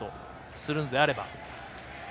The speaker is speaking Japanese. するのであれば。